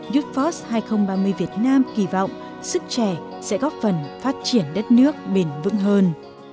youthforce hai nghìn ba mươi việt nam kỳ vọng sức trẻ sẽ góp phần phát triển đất nước bền vững hơn